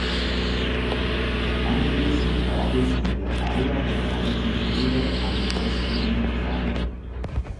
Anschließend gab es in der Aula der Alten Schule einen festlichen Empfang.